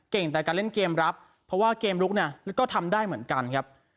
แต่การเล่นเกมรับเพราะว่าเกมลุกเนี่ยก็ทำได้เหมือนกันครับ